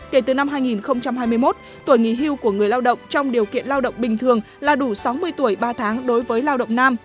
kể từ năm hai nghìn hai mươi một tuổi nghỉ hưu của người lao động trong điều kiện lao động bình thường là đủ sáu mươi tuổi ba tháng đối với lao động nam